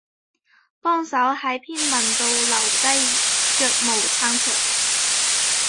幫手喺篇文度留低腳毛撐場